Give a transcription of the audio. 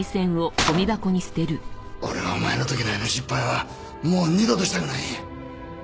俺はお前のときのような失敗はもう二度としたくないんや！